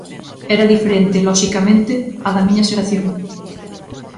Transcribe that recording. Era diferente, loxicamente, á da miña xeración.